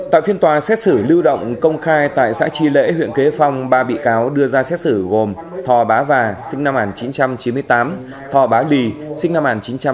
tại phiên tòa xét xử lưu động công khai tại xã chi lễ huyện quế phong ba bị cáo đưa ra xét xử gồm thò bá và sinh năm một nghìn chín trăm chín mươi tám thò bá đì sinh năm một nghìn chín trăm chín mươi chín